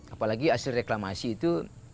apalagi asal reklamasi itu